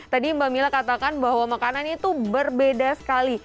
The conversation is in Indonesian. tadi mbak mila katakan bahwa makanan itu berbeda sekali